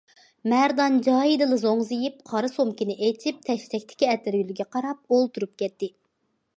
مەردان جايىدىلا زوڭزىيىپ، قارا سومكىنى ئېچىپ، تەشتەكتىكى ئەتىرگۈلگە قاراپ ئولتۇرۇپ كەتتى.